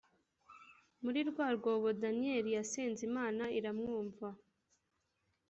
muri rwa rwobo danyeli yasenze imana iramwumva